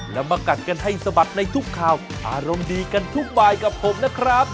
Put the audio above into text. แล้วมากัดกันให้สะบัดในทุกข่าวอารมณ์ดีกันทุกบายกับผมนะครับ